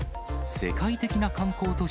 世界的な観光都市